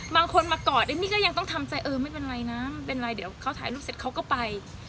บางคนมากอดเอมมี่ก็ยังต้องทำใจเออไม่เป็นไรนะไม่เป็นไรเดี๋ยวเขาถ่ายรูปเสร็จเขาก็ไป